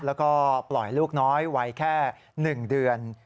แล้วก็ปล่อยลูกน้อยวัยแค่๑เดือน